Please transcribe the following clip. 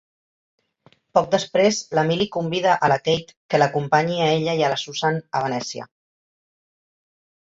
Poc després, la Milly convida a la Kate que l'acompanyi a ella i a la Susan a Venècia.